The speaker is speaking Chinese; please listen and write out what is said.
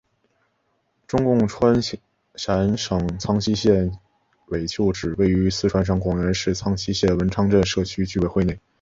中共川陕省苍溪县委旧址位于四川省广元市苍溪县文昌镇社区居委会内。